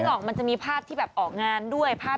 ออกมันจะมีภาพที่แบบออกงานด้วยภาพ